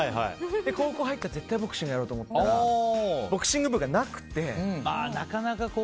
高校入ったら絶対ボクシングやろうと思ったらボクシング部がなくて。